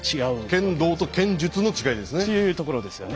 剣道と剣術の違いですね。